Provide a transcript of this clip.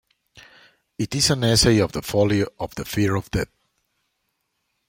It is an essay on the folly of the fear of death.